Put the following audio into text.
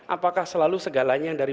apakah selalu segalanya dari